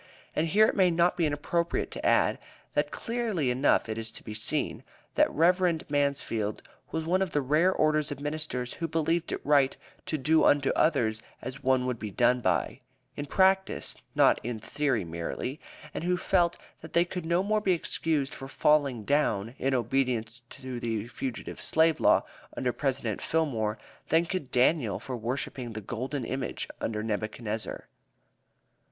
And here it may not be inappropriate to add, that clearly enough is it to be seen, that Rev. Mansfield was one of the rare order of ministers, who believed it right "to do unto others as one would be done by" in practice, not in theory merely, and who felt that they could no more be excused for "falling down," in obedience to the Fugitive Slave Law under President Fillmore, than could Daniel for worshiping the "golden image" under Nebuchadnezzar.